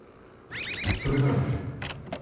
それからや。